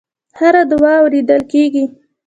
هره دعا اورېدل کېږي.